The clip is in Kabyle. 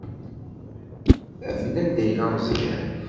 Af-d anda yella Meẓyan.